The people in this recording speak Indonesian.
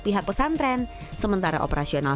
pihak pesantren sementara operasional